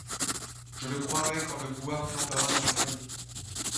Je le croirai quand le bois flambera dans le foyer